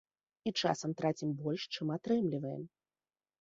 І часам трацім больш, чым атрымліваем.